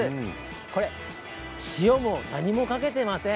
塩も何もかけていません。